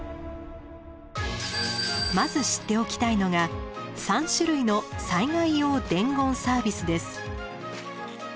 まず知っておきたいのが３種類の災害用伝言サービスです。